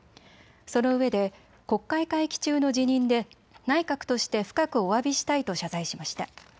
そのうえで国会会期中の辞任で内閣として深くおわびしたいと謝罪しました。